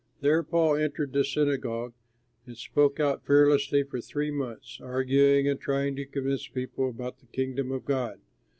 There Paul entered the synagogue, and spoke out fearlessly for three months, arguing and trying to convince people about the Kingdom of God.